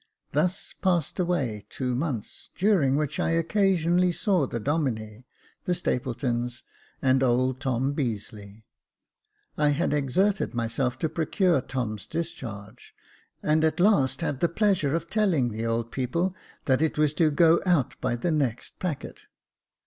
Thus passed away two months, during which I occasionally saw the Domine, the Stapletons, and old Tom Beazeley. I had exerted myself to procure Tom's discharge, and at last had the pleasure of telling the old people that it was to go out by the next packet.